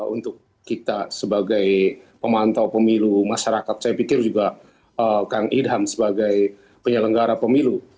untuk kita sebagai pemantau pemilu masyarakat saya pikir juga kang ilham sebagai penyelenggara pemilu